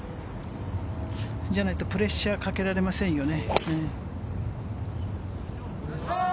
じゃないとプレッシャーをかけられませんよね。